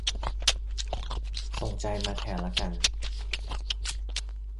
ส่งใจมาแทนละกัน